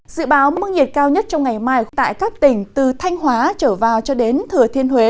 dự báo mức nhiệt cao nhất trong ngày mai tại các tỉnh từ thanh hóa trở vào cho đến thừa thiên huế